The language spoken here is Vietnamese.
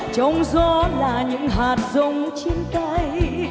trông gió là những hạt rông chiên tay